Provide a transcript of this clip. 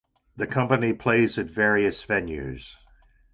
The company plays at various venues.